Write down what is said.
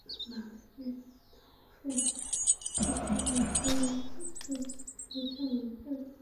মালিক bin আওফের ইশারায় সে আসন ছেড়ে উঠে মালিকের কাছে আসে।